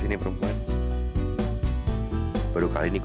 terima kasih mas kevin